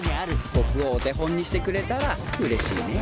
僕をお手本にしてくれたらうれしいねぇ。